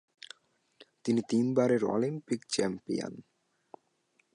তিনি তিনবারের Olympic champion.